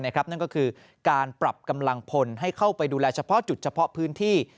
นั่นก็คือการปรับกำลังพลให้เข้าไปดูแลเฉพาะจุดเฉพาะพื้นที่